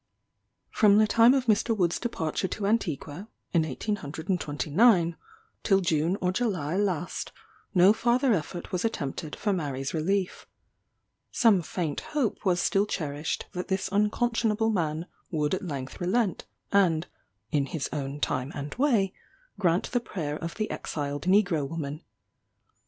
From the time of Mr. Wood's departure to Antigua, in 1829, till June or July last, no farther effort was attempted for Mary's relief. Some faint hope was still cherished that this unconscionable man would at length relent, and "in his own time and way," grant the prayer of the exiled negro woman.